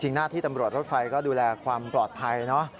จริงหน้าที่ตำรวจรถไฟก็ดูแลความปลอดภัย